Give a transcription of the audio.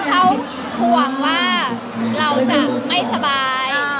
เขาห่วงว่าเราจะไม่สบาย